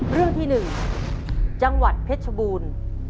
เรื่องที่๑จังหวัดเพชรชบูรณ์